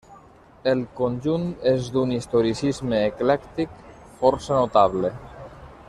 El conjunt és d'un historicisme eclèctic força notable.